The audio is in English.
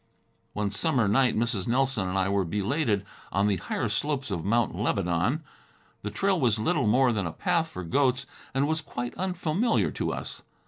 One summer night, Mrs. Nelson and I were belated on the higher slopes of Mount Lebanon. The trail was little more than a path for goats, and was quite unfamiliar to us.